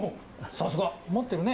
さすが持ってるね。